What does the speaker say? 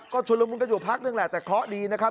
ก็ชุดละมุนกันอยู่พักนึงแหละแต่เคราะห์ดีนะครับ